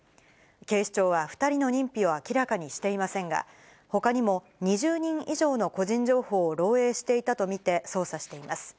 警視庁は２人の認否を明らかにしていませんが、ほかにも２０人以上の個人情報を漏えいしていたと見て、捜査しています。